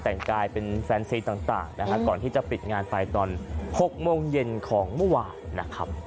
แต่งกายเป็นแฟนซีต่างนะฮะก่อนที่จะปิดงานไปตอน๖โมงเย็นของเมื่อวานนะครับ